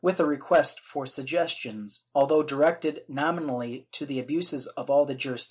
with a request for suggestions. Although directed nominally to the abuses of all the jurisdictions.